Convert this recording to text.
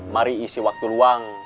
mari isi waktu luang